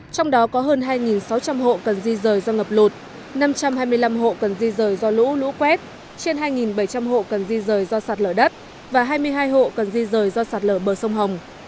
trong đó có hơn hai sáu trăm linh hộ cần di rời do ngập lụt năm trăm hai mươi năm hộ cần di rời do lũ lũ quét trên hai bảy trăm linh hộ cần di rời do sạt lở đất và hai mươi hai hộ cần di rời do sạt lở bờ sông hồng